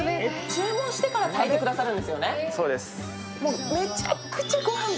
注文してから炊いてくださるんですよね。